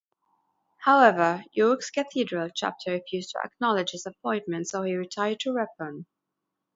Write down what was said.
However, York's cathedral chapter refused to acknowledge his appointment, so he retired to Ripon.